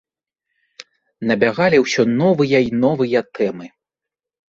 Набягалі ўсё новыя й новыя тэмы.